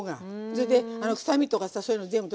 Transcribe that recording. それで臭みとかさそういうの全部。